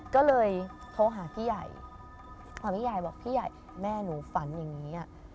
ก็เลยโทรหาพี่ใหญ่พอพี่ใหญ่บอกพี่ใหญ่แม่หนูฝันอย่างนี้